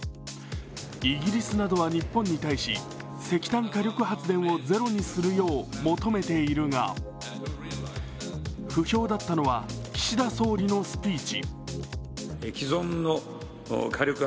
イギリスなどは日本に対し、石炭火力発電をゼロにするよう求めているが不評だったのは岸田総理のスピーチ。